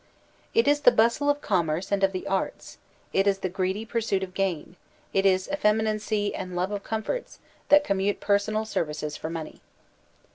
It is the bustle of commerce and of the arts, it is the greedy pursuit of gain, it is effeminacy and love of com forts, that commute personal services for money.